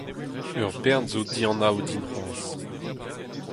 Ur bern zo dianav din c'hoazh.